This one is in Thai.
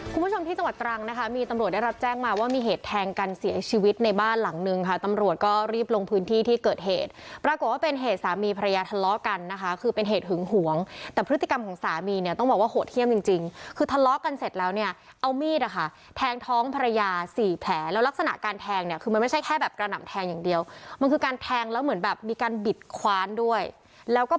คุณผู้ชมที่จังหวัดตรังนะคะมีตำรวจได้รับแจ้งมาว่ามีเหตุแทงกันเสียชีวิตในบ้านหลังนึงค่ะตำรวจก็รีบลงพื้นที่ที่เกิดเหตุปรากฏว่าเป็นเหตุสามีภรรยาทะเลาะกันนะคะคือเป็นเหตุหึงหวงแต่พฤติกรรมของสามีเนี่ยต้องบอกว่าโหดเที่ยมจริงจริงคือทะเลาะกันเสร็จแล้วเนี่ยเอามีดอ่ะค่